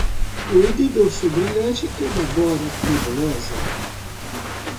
Cuide do sul brilhante e da bora nebulosa.